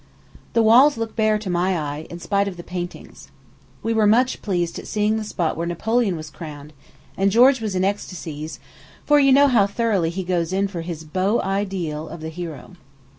The walls look bare to my eye, in spite of the paintings. We were much pleased at seeing the spot where Napoleon was crowned; and George was in ecstasies, for you know how thoroughly he goes in for his beau ideal of the hero.